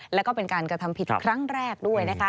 และเป็นการกระทำผิดครั้งแรกด้วย